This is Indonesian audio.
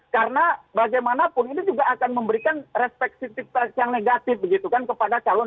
karena bagaimanapun ini juga akan memberikan respektifitas yang negatif begitu kan kepada calon